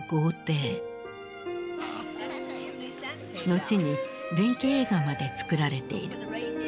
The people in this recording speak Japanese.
後に伝記映画まで作られている。